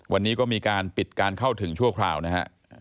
วันนี้ก็มีการปิดการเข้าถึงชั่วคราวนะฮะ